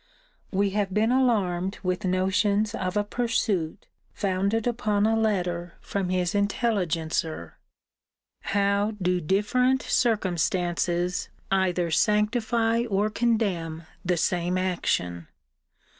We have been alarmed with notions of a pursuit, founded upon a letter from his intelligencer. How do different circumstances either sanctify or condemn the same action!